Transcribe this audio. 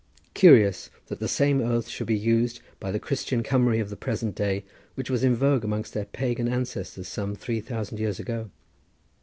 Curious that the same oath should be used by the Christian Cumry of the present day, which was in vogue amongst their pagan ancestors some three thousand years ago.